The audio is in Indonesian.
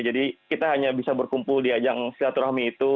jadi kita hanya bisa berkumpul di ajang selatu rahmi itu